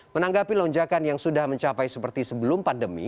menanggapi lonjakan yang sudah mencapai seperti sebelum pandemi